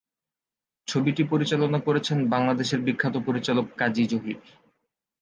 ছবিটি পরিচালনা করেছেন বাংলাদেশের বিখ্যাত পরিচালক কাজী জহির।